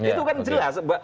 itu kan jelas